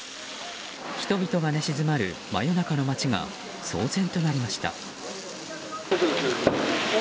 人々が寝静まる真夜中の街が騒然となりました。